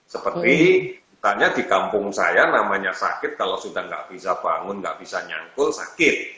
seperti misalnya di kampung saya namanya sakit kalau sudah nggak bisa bangun nggak bisa nyangkul sakit